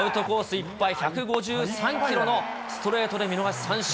いっぱい、１５３キロのストレートで見逃し三振。